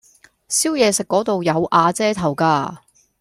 燒嘢食嗰度有瓦遮頭㗎